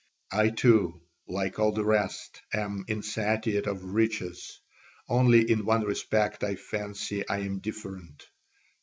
I too, like all the rest, am insatiate of riches, only in one respect I fancy I am different.